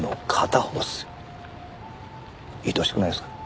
愛おしくないですか？